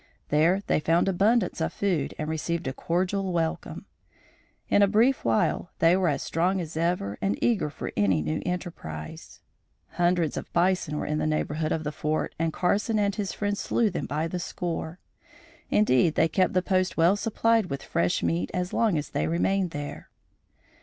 There they found abundance of food and received a cordial welcome. In a brief while they were as strong as ever and eager for any new enterprise. Hundreds of bisons were in the neighborhood of the fort and Carson and his friends slew them by the score. Indeed they kept the post well supplied with fresh meet as long as they remained there.